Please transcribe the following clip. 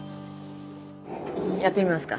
やってみますか。